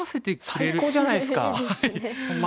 最高じゃないですか。ですね。